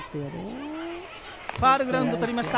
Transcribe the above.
ファウルグラウンド取りました。